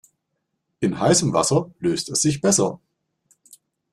In heißem Wasser löst es sich besser.